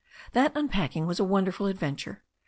That unpacking was a wonderful adventure.